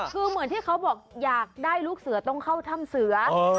คือเหมือนที่เขาบอกอยากได้ลูกเสือต้องเข้าถ้ำเสือ